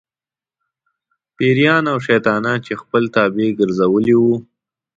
پېریان او شیطانان یې خپل تابع ګرځولي وو.